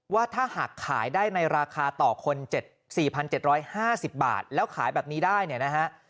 ว่าถ้าหากขายได้ในราคาต่อคน๔๗๕๐บาทแล้วขายแบบนี้ได้เนี่ยนะฮะ